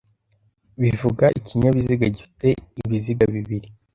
bivuga ikinyabiziga gifite ibiziga bibiri